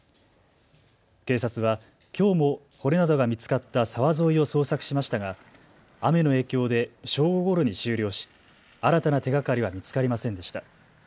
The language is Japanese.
警察はきょうも骨などが見つかった沢沿いを捜索しましたが雨の影響で正午ごろに終了し新たな手がかりは見つかりませんでした。